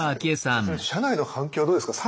それ社内の反響はどうですか？